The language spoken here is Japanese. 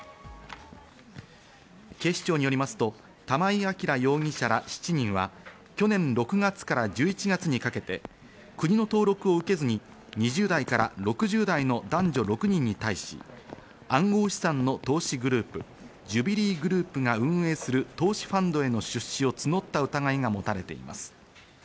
警視庁によりますと、玉井暁容疑者ら７人は去年６月から１１月にかけて国の登録を受けずに２０代から６０代の男女６人に対し、暗号資産の投資グループ、ジュビリーグループが運営する投資ファンドへの出資を募った疑いが持たれています。